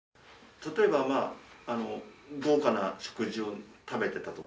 例えば、豪華な食事を食べてたとか。